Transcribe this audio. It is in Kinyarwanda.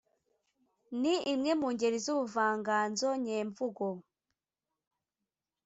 ni imwe mu ngeri z’ubuvanganzo nyemvugo